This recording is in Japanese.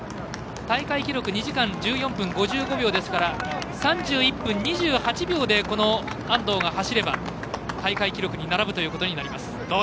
大会記録２時間１４分５５秒ですから３１分２８秒でこの安藤が走れば大会記録に並ぶということになります。